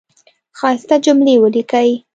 ښایسته جملی ولیکی